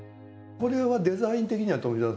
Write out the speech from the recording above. これはデザイン的には富澤さん？